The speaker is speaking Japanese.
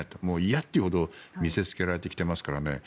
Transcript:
嫌っていうほど見せつけられてきていますからね。